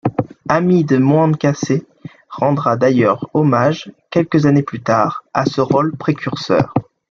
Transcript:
Hamid Mohand-Kacé rendra d'ailleurs hommage, quelques années plus tard, à ce rôle précurseur.